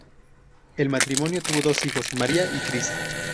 El matrimonio tuvo dos hijos, Maria y Chris.